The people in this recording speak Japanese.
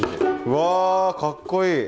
うわかっこいい。